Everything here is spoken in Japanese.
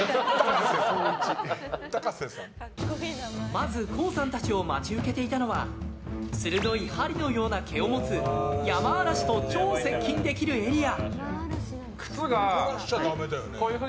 まず、ＫＯＯさんたちを待ち受けていたのは鋭い針のような毛を持つヤマアラシと超接近できるエリア。